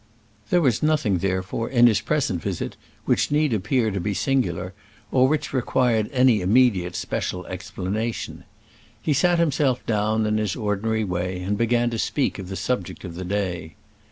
There was nothing, therefore, in his present visit which need appear to be singular, or which required any immediate special explanation. He sat himself down in his ordinary way, and began to speak of the subject of the day.